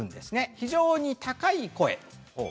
非常に高い声を。